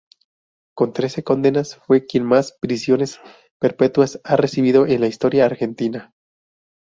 Con trece condenas, fue quien más prisiones perpetuas ha recibido en la historia argentina.